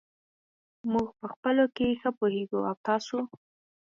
موږ په خپلو کې ښه پوهېږو. او تاسو !؟